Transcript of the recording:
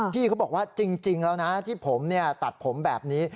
พี่เขาบอกว่าจริงแล้วนะที่ผมตัดผมแบบนี้